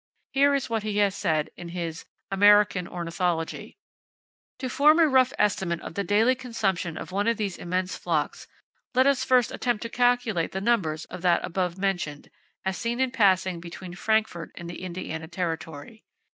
Here is what he has said in his "American Ornithology": "To form a rough estimate of the daily consumption of one of these immense flocks, let us first attempt to calculate the numbers of that above mentioned, as seen in passing between Frankfort and the Indiana territory.